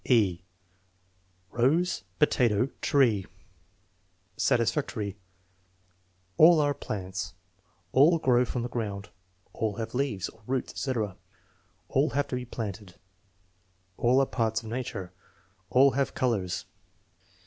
(e) Rose, potato, tree Satisfactory. "All are plants." "All grow from the ground." "All have leaves" (or roots, etc.). "All have to be planted." "All are parts of nature." "All have colors."